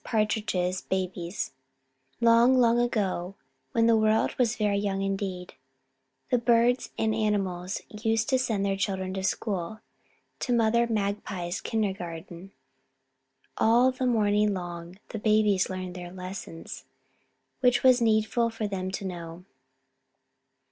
PARTRIDGE'S BABIES Long, long ago, when the world was very young indeed, the Birds and Animals used to send their children to school, to Mother Magpie's kindergarten. All the morning long the babies learned their lessons which it was needful for them to know.